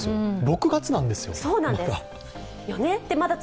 ６月なんですよ、まだ。